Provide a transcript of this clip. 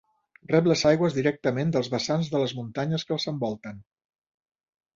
Rep les aigües directament dels vessants de les muntanyes que els envolten.